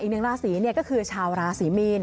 อีกหนึ่งราศีก็คือชาวราศีมีน